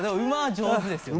上手ですよね？